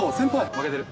負けてる。